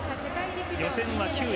予選では９位。